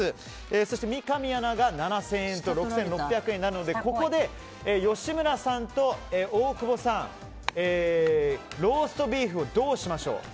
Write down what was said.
そして三上アナが７０００円と６６００円なのでここで吉村さんと大久保さんローストビーフ、どうしましょう。